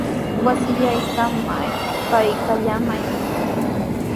Wasillaykiman pakaykallamay.